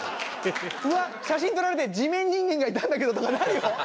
うわっ写真撮られて「地面人間がいたんだけど」とかなるよ！